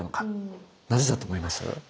なぜだと思います？